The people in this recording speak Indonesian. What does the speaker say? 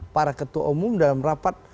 para ketua umum dalam rapat